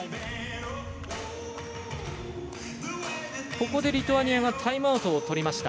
ここでリトアニアがタイムアウトをとりました。